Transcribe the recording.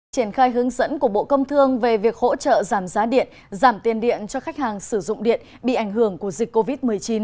triển khai hướng dẫn của bộ công thương về việc hỗ trợ giảm giá điện giảm tiền điện cho khách hàng sử dụng điện bị ảnh hưởng của dịch covid một mươi chín